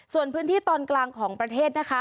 ส่วนพื้นที่ตอนกลางของประเทศนะคะ